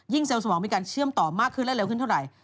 เซลล์สมองมีการเชื่อมต่อมากขึ้นและเร็วขึ้นเท่าไหร่